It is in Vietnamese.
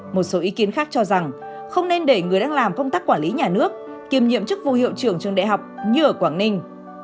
một số ý kiến khác cho rằng không nên để người đang làm công tác quản lý nhà nước kiêm nhiệm chức vụ hiệu trưởng trường đại học như ở quảng ninh